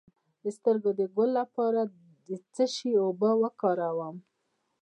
د سترګو د ګل لپاره د څه شي اوبه وکاروم؟